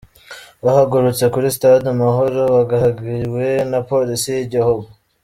Bahagurutse kuri Stade Amahoro bagaragiwe na Police y’Igihugu.